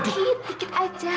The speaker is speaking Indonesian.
tikit dikit aja